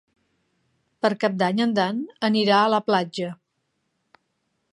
Per Cap d'Any en Dan anirà a la platja.